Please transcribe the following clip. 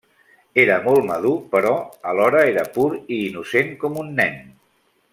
Era molt madur, però alhora era pur i innocent com un nen.